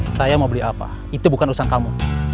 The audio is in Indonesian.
saya mau beli apa itu bukan urusan kamu